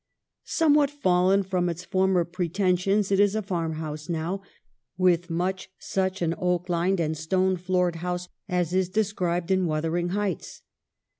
Somewhat fallen from its former preten sions, it is a farmhouse now, with much such an oak lined and stone floored house place as is described in ' Wuthering Heights.'